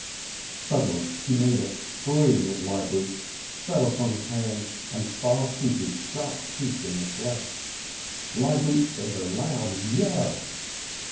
Suddenly he made a spring at Leibrutz, fell upon his hand, and fastened his sharp teeth in the flesh. Leib rutz gave a loud yell.